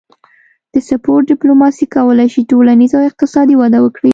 د سپورت ډیپلوماسي کولی شي ټولنیز او اقتصادي وده وکړي